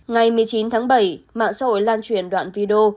ngày một mươi chín tháng bảy mạng xã hội lan truyền đoạn video